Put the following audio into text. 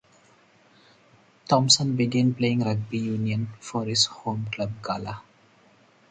Thomson began playing rugby union for his home club Gala.